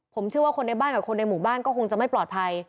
ผมเชื่อว่าคนในบ้านกับคนในหมู่บ้านก็คงจะไม่ปลอดภัย